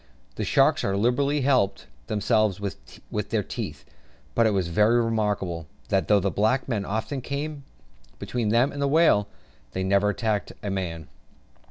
The sharks as liberally helped themselves with their teeth; but it was very remarkable, that though the black men often came between them and the whale, they never attacked a man.